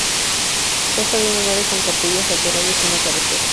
Consta de una nave con capillas laterales y una cabecera.